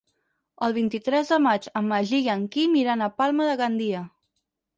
El vint-i-tres de maig en Magí i en Quim iran a Palma de Gandia.